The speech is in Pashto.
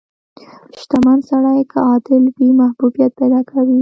• شتمن سړی که عادل وي، محبوبیت پیدا کوي.